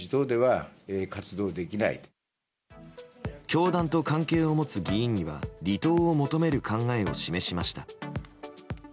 教団と関係を持つ議員には離党を求める考えを示しました。